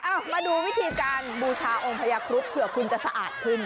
มาดูวิธีการบูชาองค์พญาครุฑเผื่อคุณจะสะอาดขึ้น